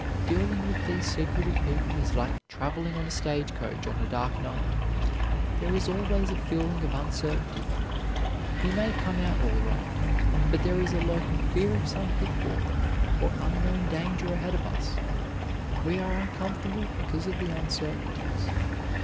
Dealing with these secretive people is like traveling on a stage coach on a dark night. There is always a feeling of uncertainty. We may come out all right, but there is a lurking fear of some pitfall or unknown danger ahead of us. We are uncomfortable because of the uncertainties.